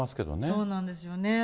そうなんですよね。